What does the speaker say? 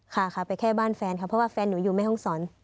ค่ะไปแค่บ้านแฟนเพราะว่าแฟนหนูอยู่ในห้องสอน